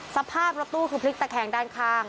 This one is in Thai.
สภาพรถตู้คือพลิกตะแคงด้านข้าง